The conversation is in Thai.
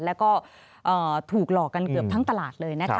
แล้วก็ถูกหลอกกันเกือบทั้งตลาดเลยนะคะ